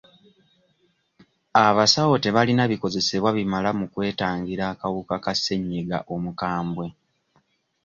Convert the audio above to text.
Abasaawo tebalina bikozesebwa bimala mu kwetangira kawuka ka ssenyiga omukambwe.